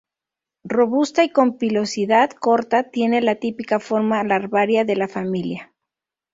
Robusta y con pilosidad corta, tiene la típica forma larvaria de la familia.